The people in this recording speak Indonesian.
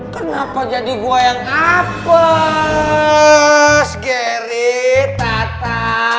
kenapa jadi gua yang kapas geri tata